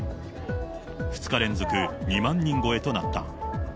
２日連続２万人超えとなった。